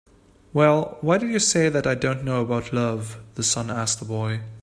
"Well, why did you say that I don't know about love?" the sun asked the boy.